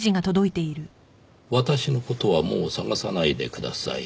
「私のことはもう探さないでください」